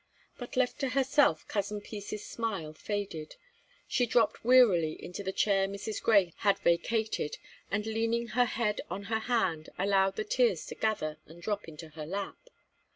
But left to herself Cousin Peace's smile faded; she dropped wearily into the chair Mrs. Grey had vacated, and, leaning her head on her hand, allowed the tears to gather and drop into her lap.